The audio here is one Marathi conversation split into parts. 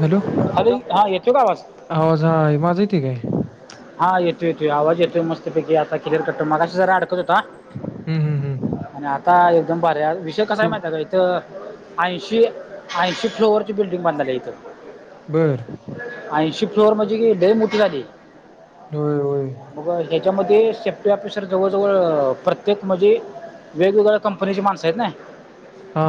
हॅलो. हॅलो हा येतो का आवाज आवाज हा माझ येते काय? हा येतो येतय आवाज येतय मस्त पैकी आता खिर कटो मगाशी जरा अडकत हं, हं, हं. आणि आता एकदम भऱ्या विषय कसा आहे तू माहित आहे का? थ ऐंशी ऐंशी फ्लोअरची बिल्डिंग बांधलेली आहे इथं. बर. ऐंशी फ्लॉवर म्हणजे लई मोठी झाली. दुदु. मग ह्याच्यामध्ये सेफ्टी ऑफिसर जवळजवळ प्रत्येक म्हणजे वेगवेगळ्या कंपनीची माणसं आहेत नाय. हा.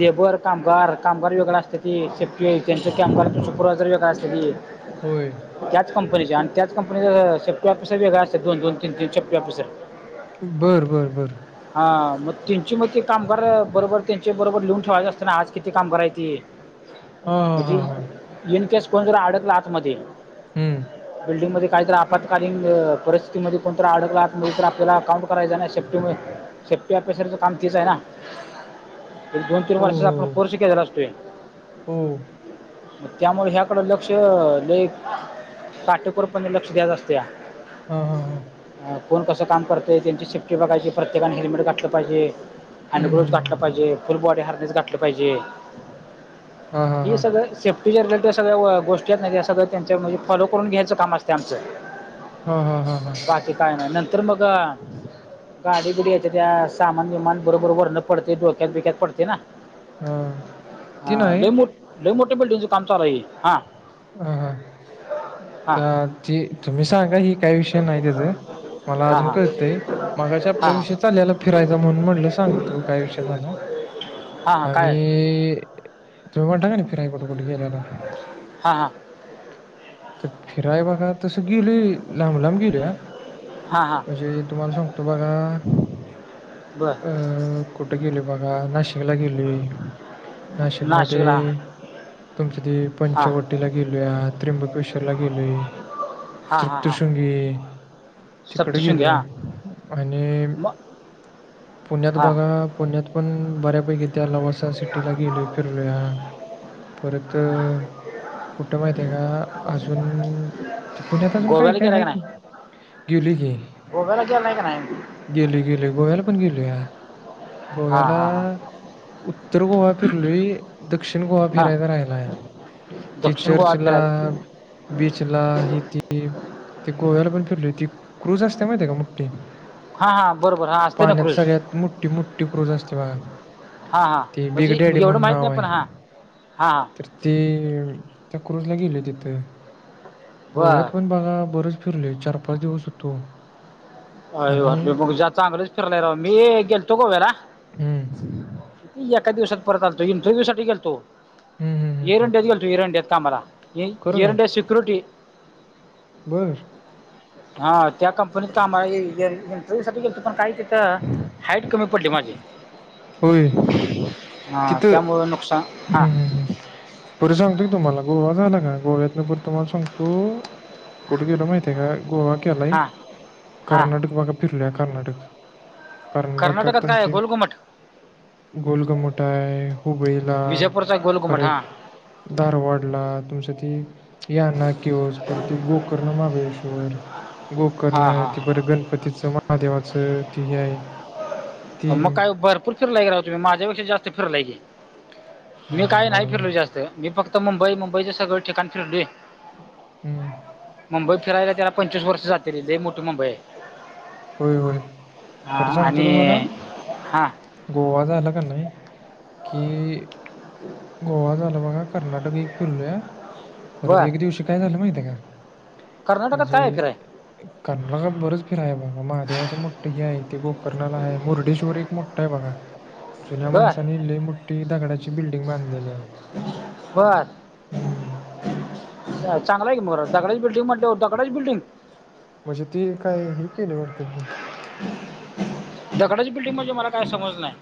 लेबर कामगार. कामगार वेगळं असत्याती. त्यांचं की कामगारा सुपरवायझर वेगळं असत्याती. होय. त्याच कंपनीच्या त्याच कंपनीचा सेप्टी ऑफिसर वेगळा असत दोन-दोन, तीन-तीन शेप्टी ऑफिसर. बरं, बरं, बरं. हा. मग त्यांची मग ते कामगार बरोबर त्यांचे बरोबर लिहून ठेवायचे असत ना आज किती कामगार आहेती. हां, हां, म्हणजे हां, हां. येनकस कोण तर अडकला आत मध्ये हं. बिल्डिंग मध्ये काहीतरी आपत्कालीन परिस्थितीमध्ये कोणत अडकलात आत मध्ये कोण तर आपल्याला अकाउंट करायचं नाही सेफ्टीमुळे सेफ्टी ऑफिसर च काम तीच आहे ना. दोन-तीन हो, वर्षाचा आपण हो, कोर्स केलेला असतोय. हो. हो. त्यामुळे ह्याकडें लक्ष ल‌ई काटेकोरपणे लक्ष द्यायचं असतया. हा हा हा. कोण कसं काम करतय त्यांची सेफ्टी बघायची प्रत्येकाने हेल्मेट घातलं पाहिजे. हँड ग्लोव घाठलं हं. पाहिजे फुल बॉडी हार्नेस घाठलं पाहिजे. हां, हां, हे हां. सगळं सेफ्टीच्या रिलेटेड सगळ्या गोष्टी आहेत सगळ त्यांच्या म्ह फॉलो करून घ्यायचं काम असते आमचं हां, हां, हां, हां. बाकी काय नाही नंतर मग गाडी बुडी येत्या त्या सामान विमान बरोबर वरणं पडते डोक्यात बिक्यात पडते ना. हां. ती हा. नाही. ल ल‌ई मोठे बिल्डिंगच काम चालू आहे हा. ह हा. तर ती तुम्ही सांगा ही काही विषय नाही त्याच मला हां अजून हां कळतय. मागाच्या आपला हां विषय चालल्याला फिरायचा म्हणून म्हणलं सांगतो काय विषय झाला. हां हां काय आम्ही तुम्ही म्हणता का नाही फिराई कुठे कुठे गेल्याला. हां हां. तर फिराय बघा तसं गेल लांब लांब गेलो या. हा. म्हणजे तुम्हाला सांगतो बघा बर अं कुठे गेलोय बघा नाशिकला गेलोय नाशिकमध्ये नाशिकला तुमची ती हां पंचवट टीला गेलोय त्र्यंबकेश्वर ला गेलोय हां हां हां सप्तशृंगी तिकडं सप्तशृंगी गेलोय हां आणि मग पुण्यात हां बघा पुण्यात पण बऱ्यापैकी त्या लवासा सिटीला गेलोय फिरलोया. परत कुठं माहित आहे का अजून ते पुण्यात अजून काय गोव्याला काय गेला हाय का कि नाही गिलूय कि आदू आलाय काय नाही? गेलोय गेलोय गोव्याला पण गेलोया हां गोव्याला हां हां उत्तर गोवा फिरलोय दक्षिण गोवा हां फिरायचा राहिलाया ते दक्षिण गोवा चर्चला फिरायला बीचला ही ती ते गोव्याला पण फिरलोय ती क्रुज असते माहिती का मोठी हा हां बरोबर हा असते ना पाण्यात क्रुज सगळ्यात मोठी मोठी क्रूज असते बघा हा हा ते बिग म्हणजे डॅडी एवढं म्हणून माहित नाव नाही पण आहे हा हा हा तर ते त्या क्रुजला गेलोय तिथं गोव्यात बर पण बघा बरच फिरलोय चार-पाच दिवस हुतो. आय वाटलं मग ज चांगलंच फिरलाय राव मी गेलतो गोव्याला हं, एका दिवसात परत आलतो इंटरव्हूसाठी गेलतो हं, हं, हं, एयर हं. इंडियात गेलतो एयर इंडियात कामाला खरं एयर काय? इंडिया सिक्युरिटी बरं हा त्या कंपनीत काम इंटरव्हू साठी गेलतो पण काय तिथं हाइट कमी पडली माझी होय हां तिथं त्यामुळं नुकसान हां हम्म हम्म हम्म परत सांगतो कि तुम्हाला गोवा झाला का गोव्यातनं परत तुम्हाला सांगतो कुठं गेलो माहितिये का गोवा केलाय हां हां कर्नाटक बघा फिरलय कर्नाटक कर्नाटकात काय आहे? तुमची गोलघुमट गोलघुमट हाय हुबळीला विजयपूरचा गोलघुमट परत हां धारवडला तुमचं ती याना कयूझ परत ते गोकर्ण महाबळेश्वर गोकर्ण हां हां ती हां परत गणपतीचं, महादेवाचं ती हे हाय आओ मग काय भरपूर फिरलाय कि राव तुमी माझ्यापेक्षा जास्त फिरलाय कि हा मी काय नाही फिरलो हम्म जास्त मी फक्त मुंबई मुंबईचे सगळ ठिकाण फिरलोय. हम्म मुंबई फिरायला त्याला पंचवीस वर्ष जातील लई मोठी मुंबई होय होय हाय हा बरं सांगतो आणि तुम्हाला हा गोवा झालं कं नाही गोवा झालं बघा कर्नाटक एक फिरलोया परत बर एक दिवशी काय झालं माहिते का? कर्नाटकात म्हणजे काय आहे फिराय कर्नाटकात बरच फिराया महादेवाचं मोठं हे हाय ते गोकर्णाला हाय मुरडेश्वर एक मोठं हाय बघा जुन्या बर माणसांनी लई मोठी दगडाची बिल्डिंग बांधलेली हाय. बर चांगला हाय कि मग दगडाची बिल्डिंग म्हटल्यावर दगडाची बिल्डिंग म्हणजे ती काय, हे केली होतं त्यांनी दगडाची बिल्डिंग म्हणजे मला काय समजलं नाय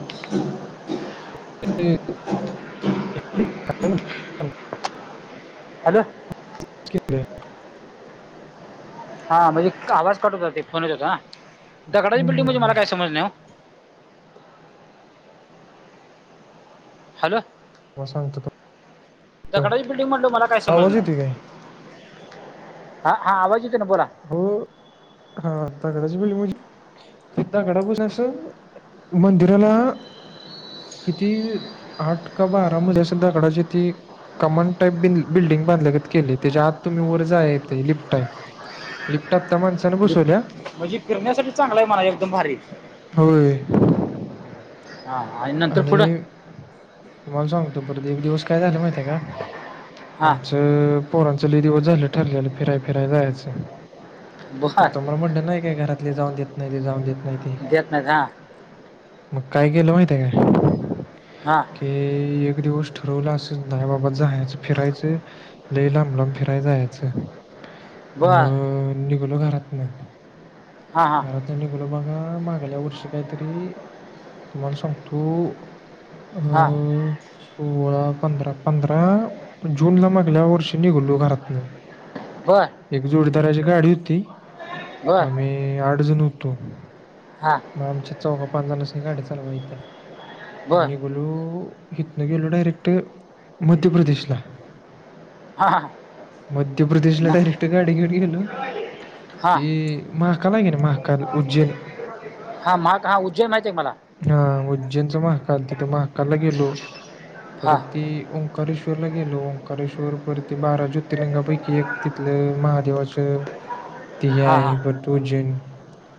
[inaudible] [inaudible] हॅलो. [inaudible] हा म्हणजे इतका आवाज कट होता, ते फोनवर त्येचा. दगडाची हम्म बिल्डिंग म्हणजे हम्म मला हम्म काय समजल नाई ओ. हॅलो. मग सांगतो तो दगडाची बिल्डिंग म्हणाल्यावर मला काय समजलं आवाज नाय. येतोय काय हा, हा आवाज येतो ना बोला. हो, हा आता [unintelligible] [unintelligible] मंदिराला किती आठ का बारा मजले असल दगडाची ती कमान टाईप बि बिल्डिंग बांधल्यागत केले. त्याच्या आत तुम्ही वर जाया येतंय, लिफ्ट हाय. लिफ्ट टोपचा म [inaudible] म्हणजे, म्हणजे फिरण्यासाठी चांगलं हे मला एकदम भारी. होय. हा नंतर पुढं आणि, तुम्हाला सांगतो परत एक दिवस काय झालं माहिती -ते का, हा आमचं पोरांचं लै दिवस झालं ठरलेलं, फिराय फिराय जायचं बर आणि तुम्हाला म्हनलं नाई का, घरातले जाऊन देत नाई, जाऊन देत नाहीत. देत नाहीत, हा. मग काय केलं माहितय का मी हा? ते एक दिवस ठरवलं असं, नाई बाबा जायचं फिरायचंय लई लांब लांब फिराय जायचं बरं निघलो घरातनं, हा हा घरात निघलो बघा, मागल्या वर्षी काईतरी, तुम्हाला सांगतो हा अं सोळा, पंधरा पंधरा जूनला, मागल्या वर्षी निघलो घरातनं बर एक जोडीदाराची गाडी होती, बर आम्ही आठ जण होतो. हा. मग आमच्या चौघा पांच जणांसनी गाडी चालवा येतीया. मग बर निघलो, हिथनं गेलो डायरेक्ट मध्य प्रदेशला हा. मध्य प्रदेशला म- डायरेक्ट गाडी घेतली ना हा ते महाकाल आहे कणी महाकाल उज्जैन हा महाग हा उज्जैन माहितेये मला. त्याचं महाकाल तिथं महाकालला गेलो, हा परत ते ओंकारेश्वरला गेलो, ओंकारेश्वर परत ते बारा ज्यो ज्योतिर्लिंगपैकी एक तिथलं, महादेवाचं हा हा [unintelligible] परत उरजैन,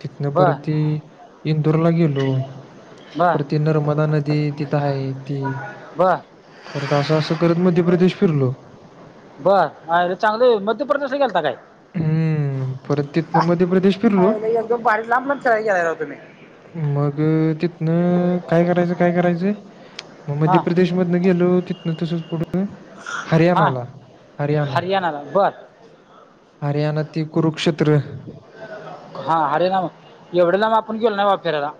तिथनं बर परत ते इंदूरला गेलो. बर. परत ती नर्मदा नदी, तिथं हाये ती बर परत असं असं करत, मध्यप्रदेश फिरलो. बर आयला चांगलंय मध्यप्रदेशला गेलता काय? हम्म परत तिथनं मध्य प्रदेश फिरलो अयाला एकदम भारीत लांब-लांब फिराय गेलाय राव तुम्हीं. मग तिथंन काय करायचं, काय करायचंय मग हा मध्यप्रदेश म तिथनं गेलो तिथनं तसच पुढं हा हरियाणाला, हरियाणा. हरियाणाला बर. हरियाणात ते कुरुक्षेत्र. हा हारेराम एवढं लांब आपण गेलो ना बा फिरायला.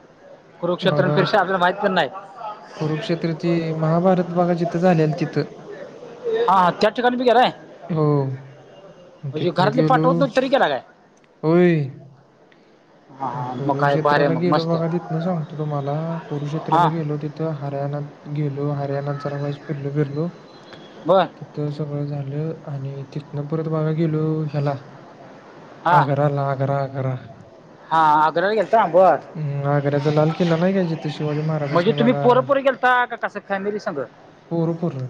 कुरुक्षेत्र बघा ते साधं माहित पण नाही. कुरुक्षेत्र ते महाभारत बघा जिथं झालेल तिथं. हा, हा. त्या ठिकाणी बी गेलाय. हो मग म्हणजे तिथनं घरातले गेलो पाठवत नव्हतीत तरी गेला काय? होय हा मग हा काय भारी कुरुक्षेत्राला आहे मग गेलो मस्त बघा आहे तिथनं सांगतो तुम्हांला, कुरुक्षेत्राला हा गेलो ते थ हरियाणात गेलो, हरियाणात जरा वाईस फिरलो- बिरलो. बरं तिथं सगळं झालं आणि तिथंन परत बगा गेलो ह्याला हा आग्रा ला, आग्रा -आग्रा. हा आग्रला गेलता बर अं, आग्र्याचा लाल किल्ला नाही का जिथं शिवाजी म्हणजे महाराजांनी तुम्ही बघा पोरं- पोरं गेलता का? कसं फॅमिली संगं? पोरं -पोरं.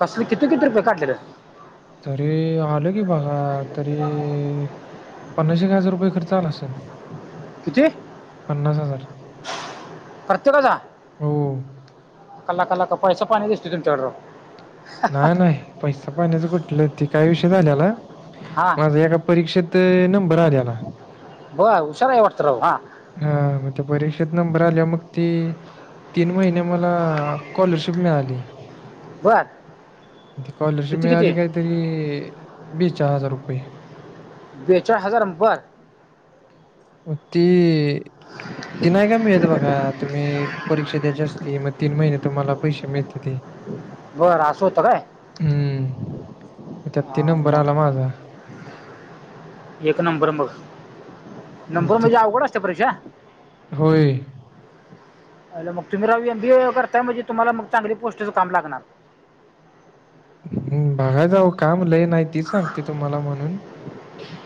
कसलं किती- किती रुपये काढलेलं? तरी आलं की, बघा तरी पन्नास एक हजार रुपये खर्च आला असंल. किती प्रत्येकाचा? हो लाका -लाका पैसा पाणी दिसतोय तुमच्याकडं राव. नाही -नाही पैसा पाण्याचं कुठलं, ते काय विषय झालेला हा. माझा एका परीक्षेत नंबर आलेला. व्हयं, हुशार हाय वाटतं राव हा. हा मग त्या परीक्षेत नंबर आल्यावर मग ती तीन महिने मला स्कॉलरशिप मिळाली. बर. ती स्कॉलरशिप किती किती मिळाली काहीतरी बेचाळ हजार रुपये. बेचाळ हजार, बर. मग ती ती नाही का मिळत बघा तुम्हीं परीक्षा द्यायची असते मग तीन महिने तुम्हांला पैसे मिळत्याती, बर असं होतं काय ह.. मग त्यात ते हा, नंबर मग आला माझा. एक नंबर मग मग नंबर ते म्हणजे अवघड असत्या परीक्षा? होय. आयला मग तुम्ही राव एमबीए करताय, म्हणजे तुम्हांला मग चांगली पोस्टचं काम लागणार. हुं. बघायचं आओ काम लई नाही, तीच सांगतोय तुम्हांला म्हणून.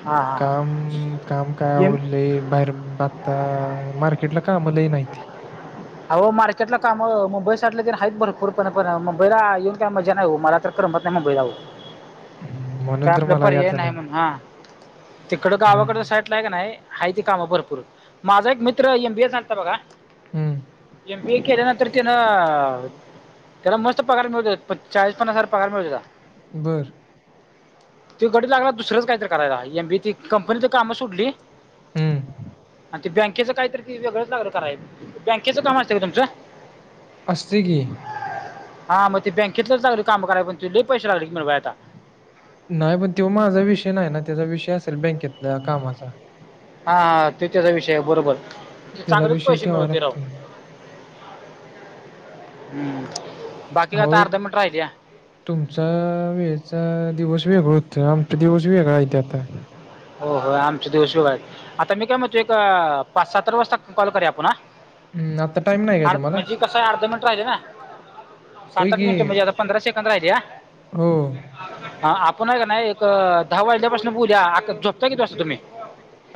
हां हां काम, काम काय आओ एम लई बाहेर बघ आता मार्केटला काम लई नाहीती. आहो मार्केटला कामं मुंबई साइडला तर आहेत भरपूर, पण मुंबईला येऊन काय मजा नाही हो, मला तर करमत नाही मुंबईला आहो. [inaudible] म्हणून काय तर आपला मला पर्याय याचं नाही म्हणून हा. तिकड गावाकड नाही. साई इतला कणी हायती काम भरपूर, माझा एक मित्र एमबीए झालता बघा. हम्म. एम बी ए केल्यानंतर त्यान. त्याला मस्त पगार मिळत, चाळीस पन्नास हजार पगार मिळत होता. बरं. तो गडी लागला दुसरंच काहीतरी करायला, एम बी ए ची कंपनीतली कामं सोडली. हं. आणि ते बँकेचं काय तर ते वेगळंच लागल करायला. बँकेचं काम असतं काय तुमचं. आसतयं की. हा मग ते बँकेतलंच लागलं काम करायला, पण ते लै पैसे लागल की मिळवायला आता. नाही. पण तो माझा विषय नाही ना, त्यांचा विषय असेल बँकेतल्या कामाचा. हा हा ते त्याचा विषय बरोबर. ते त्याला चांगलंच विषय पैसे ठेवावा मिळवते राव. लागतोय. हम्म. बाकी आता अहो काय अर्धा मिनटं राहिल्या. तुमचा वेळचा दिवस वेगळं होतं, आमचा दिवस वेगळा हायती आता. हो हो. आमचे दिवस वेगळं आहेत. आता मी काय म्हणतो, एक पाच सात तर वाजता कॉल करूया आपण हा. हं, आता टाईम नाही काय आर तुम्हाला? म्हणजे कसं आहे, अर्ध मिनट राहिले ना. होय सात आठ की मिनिटं म्हणजे, आता पंधरा सेकंद राहिले हा. हो. हा आपण हाय कणी, एक दहा वाजल्यापासन बोलुया. झोपता किती वाजता तुम्ही.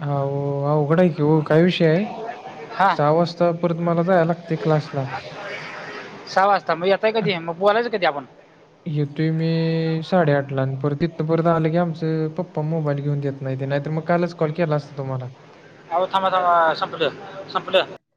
अहो अवघड आहे की ओ, काय विषय हाय. हां सहा वाजता परत मला, जाय लागतंय क्लासला. सहा वाजता. मग येताय कधी मग, बोलायच कधी आपण. येतोय मी साडेआठला. आणि परत तितनं परत आलं की, आमचं पप्पा मोबाईल घेऊन देत नाहीती. नाहीतर मग, कालच कॉल केला असता तुम्हाला. आहो, थांबा थांबा. संपल संपल.